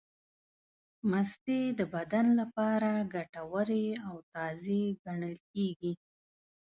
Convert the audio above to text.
مستې د بدن لپاره ګټورې او تازې ګڼل کېږي.